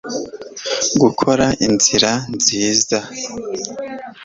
gukora inzira nziza